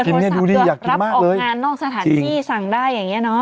โทรศัพท์รับออกงานนอกสถานที่สั่งได้อย่างนี้เนาะ